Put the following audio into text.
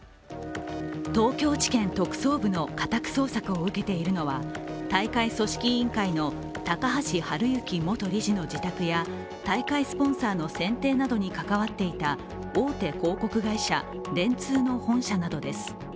東京地検特捜部の家宅捜索を受けているのは大会組織委員会の高橋治之元理事の自宅や大会スポンサーの選定などに関わっていた大手広告会社、電通の本社などです